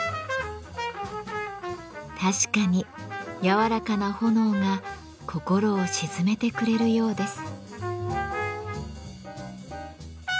確かに柔らかな炎が心を静めてくれるようです。